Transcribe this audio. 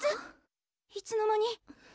いつの間に。